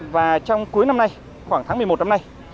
và trong cuối năm nay khoảng tháng một mươi một năm nay